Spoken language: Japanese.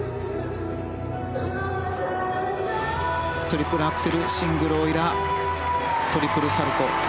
トリプルアクセルシングルオイラートリプルサルコウ。